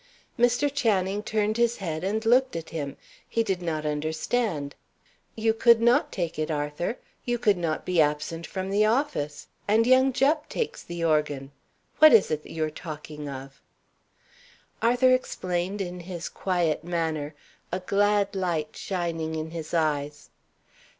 Mr. Channing turned his head and looked at him. He did not understand. "You could not take it, Arthur; you could not be absent from the office; and young Jupp takes the organ. What is it that you are talking of?" Arthur explained in his quiet manner, a glad light shining in his eyes.